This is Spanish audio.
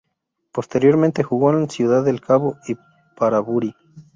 Posteriormente jugó en Ciudad del Cabo y para Bury.